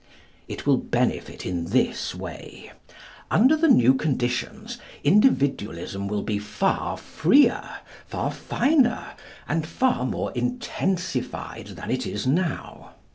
It will benefit in this way. Under the new conditions Individualism will be far freer, far finer, and far more intensified than it is now.